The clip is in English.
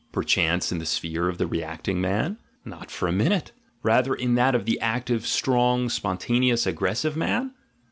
Perchance in the sphere of the reacting man? Not for a minute: rather in that of the active, strong, spon taneous, aggressive man?